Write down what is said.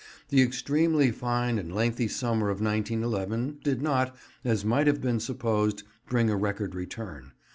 The extremely fine and lengthy summer of 1911 did not, as might have been supposed, bring a record return.